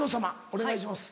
お願いします。